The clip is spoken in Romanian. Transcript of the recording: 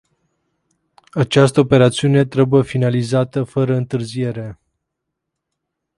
Această operațiune trebuie finalizată fără întârziere.